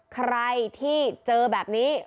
ใครที่เจอแบบนี้